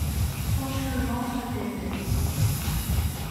Fauchelevent se taisait.